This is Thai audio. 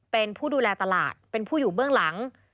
เป็นผู้ดูแลตลาดเป็นผู้อยู่เบื้องหลัง